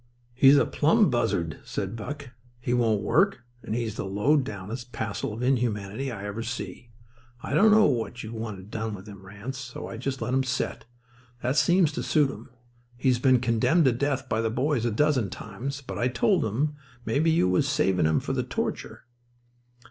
"He's a plumb buzzard," said Buck. "He won't work, and he's the low downest passel of inhumanity I ever see. I didn't know what you wanted done with him, Ranse, so I just let him set. That seems to suit him. He's been condemned to death by the boys a dozen times, but I told 'em maybe you was savin' him for the torture."